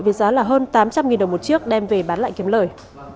với giá là hơn tám trăm linh đồng một chiếc đem về bán lại kiếm lời